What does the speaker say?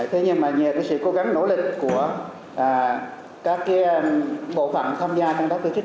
thế nhưng mà nhờ sự cố gắng nỗ lực của các bộ phạm tham gia trong các tổ chức